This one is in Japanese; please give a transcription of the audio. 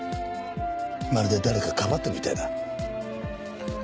まるで誰かかばってるみたいだ。